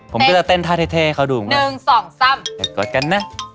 ผมก็จะเต้นท่าเท่ครับเดี๋ยวกดกันนะ